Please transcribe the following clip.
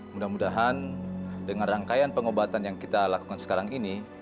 mudah mudahan dengan rangkaian pengobatan yang kita lakukan sekarang ini